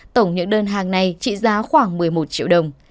tổng những đơn hàng này trị giá khoảng một mươi một triệu đồng